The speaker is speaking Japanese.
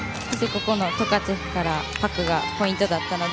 トカチェフからパクがポイントだったので。